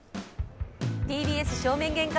ＴＢＳ正面玄関